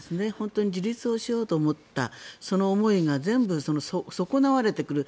自立をしようと思ったその思いが全部損なわれてくる。